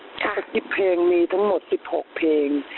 สักกี่เพลงมีทั้งหมดสิบหกเพลง